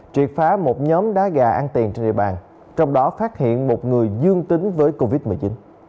triệt phá một nhóm đá gà ăn tiền trên địa bàn trong đó phát hiện một người dương tính với covid một mươi chín